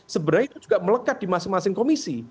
sebenarnya itu juga melekat di masing masing komisi